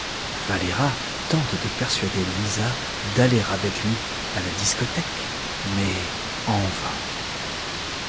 Valera tente de persuader Lisa d'aller avec lui à la discothèque mais en vain.